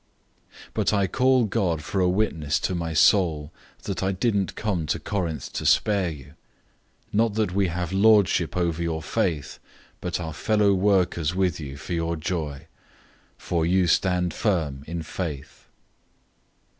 001:023 But I call God for a witness to my soul, that I didn't come to Corinth to spare you. 001:024 Not that we have lordship over your faith, but are fellow workers with you for your joy. For you stand firm in faith.